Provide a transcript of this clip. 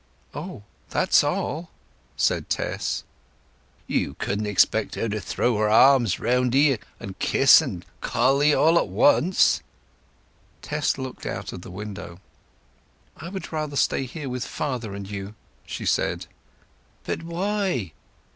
"Oh—that's all!" said Tess. "You couldn't expect her to throw her arms round 'ee, an' to kiss and to coll 'ee all at once." Tess looked out of the window. "I would rather stay here with father and you," she said. "But why?"